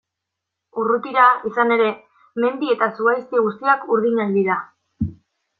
Urrutira, izan ere, mendi eta zuhaizti guztiak urdinak dira.